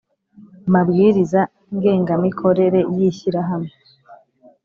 mabwiriza ngengamikorere y Ishyirahamwe